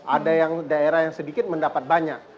ada yang daerah yang sedikit mendapat banyak